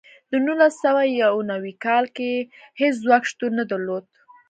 د نولس سوه یو نوي کال کې هېڅ ځواک شتون نه درلود.